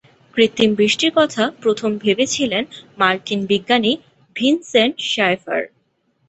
কৃত্রিম বৃষ্টির কথা প্রথম ভেবেছিলেন মার্কিন বিজ্ঞানী ভিনসেন্ট শায়েফার।